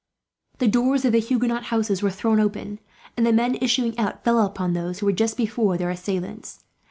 The doors of the Huguenot houses were thrown open and the men, issuing out, fell upon those who were, just before, their assailants.